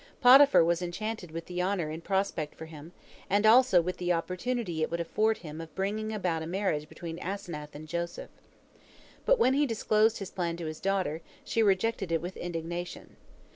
Potiphar was enchanted with the honor in prospect for him, and also with the opportunity it would afford him of bringing about a marriage between Asenath and Joseph. But when he disclosed his plan to his daughter, she rejected it with indignation.